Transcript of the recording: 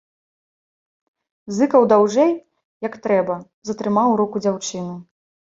Зыкаў даўжэй, як трэба, затрымаў руку дзяўчыны.